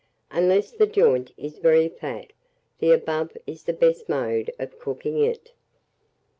Unless the joint is very fat, the above is the best mode of cooking it.